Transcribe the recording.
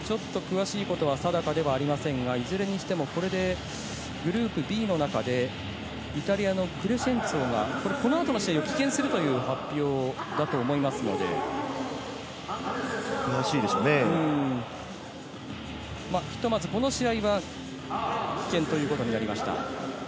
ちょっと詳しいことは定かではありませんが、いずれにしてもこれでグループＢの中でイタリアのクレシェンツォがこのあとの試合を棄権するという発表だと思いますので、ひとまずこの試合は、棄権ということになりました。